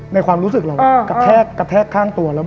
ความรู้สึกเรากระแทกข้างตัวแล้ว